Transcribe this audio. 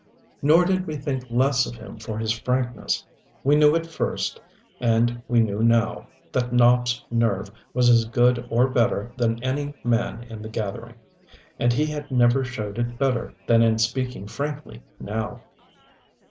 Nor did we think less of him for his frankness. We knew at first, and we knew now, that Nopp's nerve was as good or better than any man in the gathering, and he had never showed it better than in speaking frankly now.